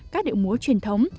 các điệu múa truyền thống